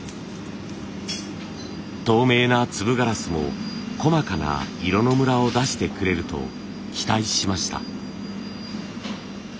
透明な粒ガラスも細かな色のムラを出してくれると期待しました。